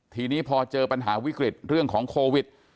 ทีนี้พอเจอปัญหาวิกฤตเรื่องของโควิด